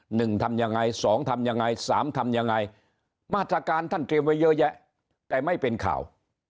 หนึ่งทำยังไงสองทำยังไงสามทำยังไงมาตรการท่านเตรียมไว้เยอะแยะแต่ไม่เป็นข่าว